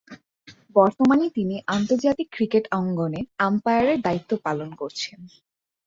বর্তমানে তিনি আন্তর্জাতিক ক্রিকেট অঙ্গনে আম্পায়ারের দায়িত্ব পালন করছেন।